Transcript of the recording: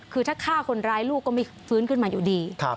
คือถ้าฆ่าคนร้ายลูกก็ไม่ฟื้นขึ้นมาอยู่ดี